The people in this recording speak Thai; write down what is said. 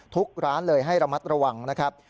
ทุกร้านเลยให้ระมัดระวังนะครับ